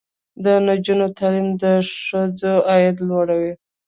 د نجونو تعلیم د ښځو عاید لوړوي.